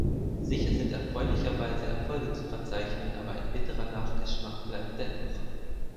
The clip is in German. Sicher sind erfreulicherweise Erfolge zu verzeichnen, aber ein bitterer Nachgeschmack bleibt dennoch.